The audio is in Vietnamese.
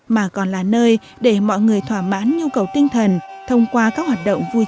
mà còn là nơi để mọi người thỏa mãn nhu cầu tinh thần thông qua các hoạt động vui chơi